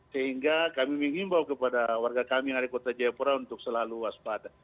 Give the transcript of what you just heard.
sehingga kami mengimbau kepada warga kami yang ada di kota jayapura untuk selalu waspada